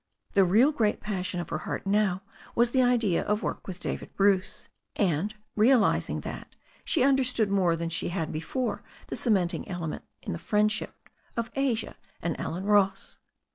The real great passion of her heart now was the idea of work with David Bruce, and, realizing that, she understood more than she had before the cementing ele ment in the friendship of Asia and Allen Ross.